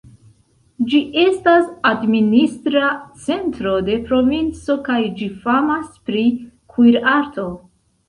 Ĝi estas administra centro de provinco kaj ĝi famas pri kuirarto.